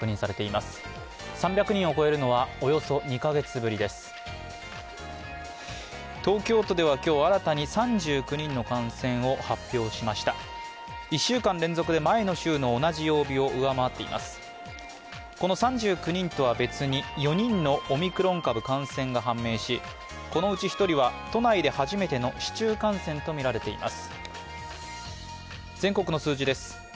この３９人とは別に４人のオミクロン株感染が判明し、このうち１人は都内で初めての市中感染とみられています。